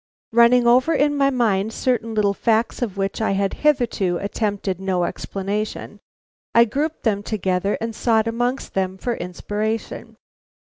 Running over in my mind certain little facts of which I had hitherto attempted no explanation, I grouped them together and sought amongst them for inspiration.